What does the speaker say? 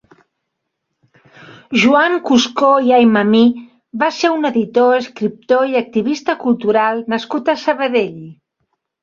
Joan Cuscó i Aymamí va ser un editor, escriptor i activista cultural nascut a Sabadell.